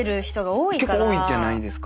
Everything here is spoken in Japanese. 結構多いんじゃないですか？